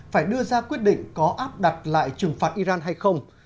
phải đưa ra quyết định có áp đặt lại trừng phạt iran hay không